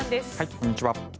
こんにちは。